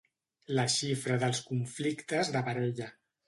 La xifra dels conflictes de parella.